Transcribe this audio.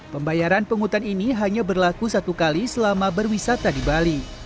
pembayaran penghutan ini hanya berlaku satu kali selama berwisata di bali